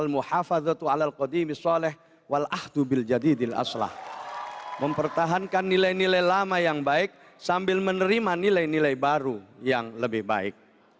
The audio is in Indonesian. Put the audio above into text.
mempertahankan nilai nilai lama yang baik sambil menerima nilai nilai baru yang lebih baik